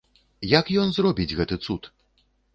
Як ён зробіць гэты цуд?